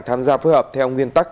tham gia phối hợp theo nguyên tắc